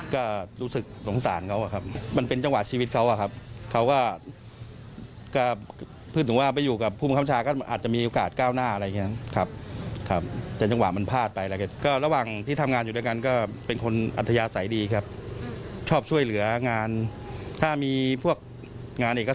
ก็รู้สึกสงสารเขาอะครับมันเป็นจังหวะชีวิตเขาอะครับเขาก็